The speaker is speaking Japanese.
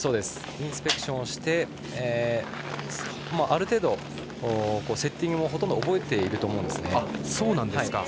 インスペクションしてある程度、セッティングもほとんど覚えていると思うんです。